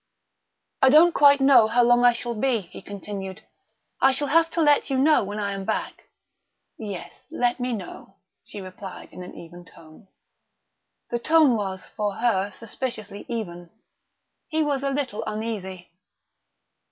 "I don't quite know how long I shall be," he continued. "I shall have to let you know when I am back." "Yes, let me know," she replied in an even tone. The tone was, for her, suspiciously even. He was a little uneasy.